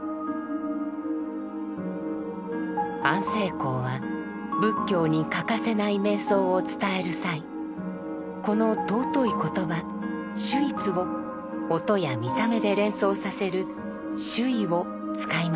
安世高は仏教に欠かせない瞑想を伝える際この尊い言葉「守一」を音や見た目で連想させる「守意」を使いました。